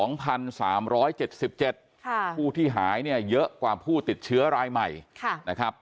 ผู้ที่หายเนี่ยเยอะกว่าผู้ติดเชื้อรายใหม่นะครับ